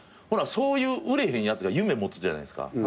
そういう売れへんやつが夢持つじゃないですか。